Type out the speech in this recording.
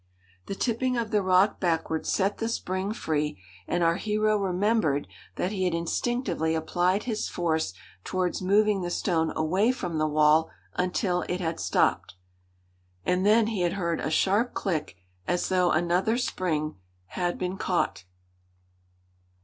The tipping of the rock backward set the spring free, and our hero remembered that he had instinctively applied his force towards moving the stone away from the wall until it had stopped, and then he had heard a sharp click, as though another spring had been caught.